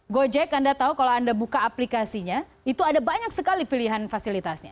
gojek anda tahu kalau anda buka aplikasinya itu ada banyak sekali pilihan fasilitasnya